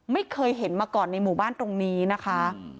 ไม่เคยเห็นมาก่อนในหมู่บ้านตรงนี้นะคะ